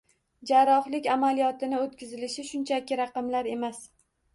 Jarrohlik amaliyotini oʻtkazilishi shunchaki raqamlar emas